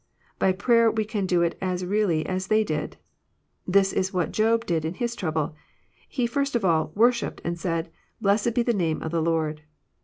By prayer we can do it as really as they did. This is what Job did in his trouble : he first of all " worshipped," and said, Blessed be the name of the Lord."